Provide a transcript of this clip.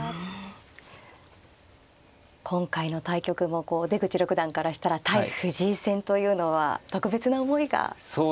今回の対局も出口六段からしたら対藤井戦というのは特別な思いがありますかね。